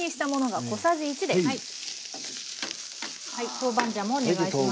豆板醤もお願いします。